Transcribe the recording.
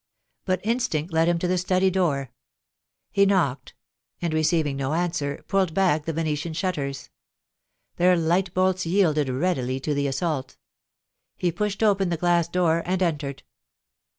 But instinct led him to the study door. He knocked, and, receiving no answer, pulled back the Venetian shutters; their light bolts yielded readily to the assault ; he pushed <»l)enr the glass door and entered.